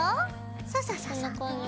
そうそうそうそう。